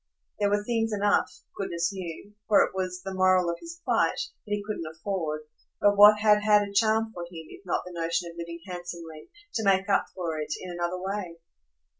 There were things enough, goodness knew for it was the moral of his plight that he couldn't afford; but what had had a charm for him if not the notion of living handsomely, to make up for it, in another way?